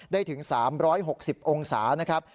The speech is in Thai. ถึง๓๖๐องศานะครับ